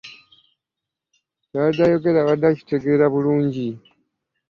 Ky'abadde ayogera abadde akitegeera bulungi.